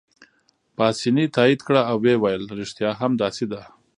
پاسیني تایید کړه او ویې ویل: ریښتیا هم داسې ده.